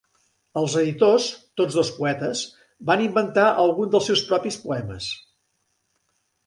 Els editors, tots dos poetes, van inventar alguns dels seus propis poemes.